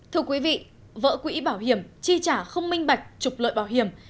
thưa quý vị vỡ quỹ bảo hiểm chi trả không minh bạch trục lợi bảo hiểm